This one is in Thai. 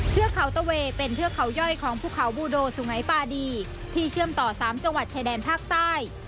เทือกเขาตะเวเป็นเทือกเขาย่อยของภูเขาบูโดสุงัยปาดีที่เชื่อมต่อ๓จังหวัดชายแดนภาคใต้